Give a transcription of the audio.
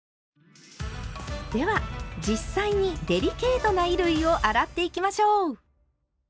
では実際にデリケートな衣類を洗っていきましょう。